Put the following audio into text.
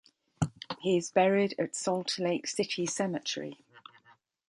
He is buried at Salt Lake City Cemetery.